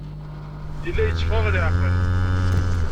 Yella yetteffeɣ-aɣ leɛqel.